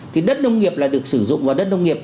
thì đất nông nghiệp là được sử dụng vào đất nông nghiệp